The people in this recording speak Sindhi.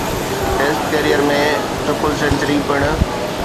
ٽيسٽ ڪيريئر ۾ ٽرپل سينچري پڻ